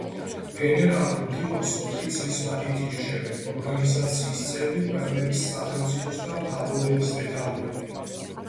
გენერალურ მდივანს ოთხი წლის ვადით ირჩევენ ორგანიზაციის წევრი ქვეყნების სახელმწიფოს და მთავრობების მეთაურები.